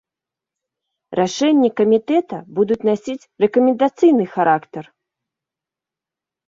Рашэнні камітэта будуць насіць рэкамендацыйны характар.